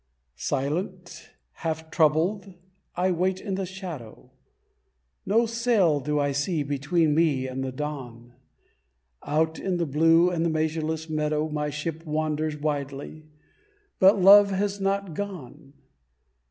Silent, half troubled, I wait in the shadow, No sail do I see between me and the dawn; Out in the blue and measureless meadow, My ship wanders widely, but Love has not gone.